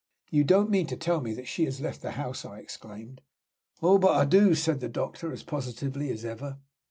'" "You don't mean to tell me that she has left the house?" I exclaimed. "Oh, but I do!" said the doctor, as positively as ever.